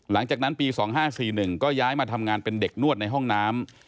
หลังจากนั้นปี๒๕๔๑ก็ย้ายมาทำงานเป็นเด็กนวดในห้องน้ำ